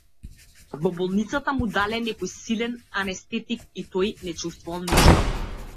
Во болницата му дале некој силен анестетик и тој не чувствувал ништо.